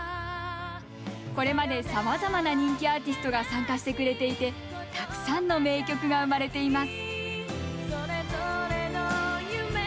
これまでさまざまな人気アーティストが参加してくれていてたくさんの名曲が生まれています。